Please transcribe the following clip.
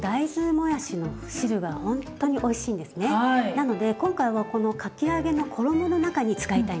なので今回はこのかき揚げの衣の中に使いたいんです。